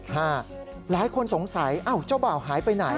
หลายคนสงสัยอ้าวเจ้าบ่าวหายไปไหน